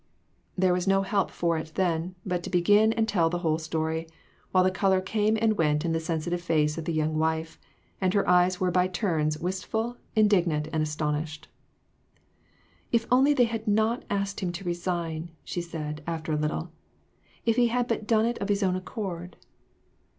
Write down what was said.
There was no help for it then, but to begin and tell the whole story, while the color came and went in the sensitive face of the young wife, and her eyes were by turns, wistful, indignant, and astonished. "If only they had not asked him to resign!" she said, after a little. " If he had but done it of his own accord."